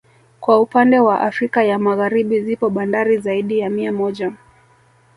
Kwa upannde wa Afrika ya Magharibi zipo bandari zaidi ya mia moja